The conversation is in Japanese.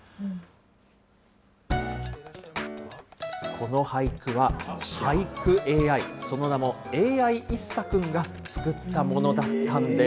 この俳句は、俳句ＡＩ、その名も、ＡＩ一茶くんが作ったものだったんです。